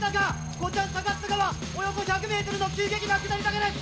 こちらサカス側およそ１００ｍの急激な下り坂です。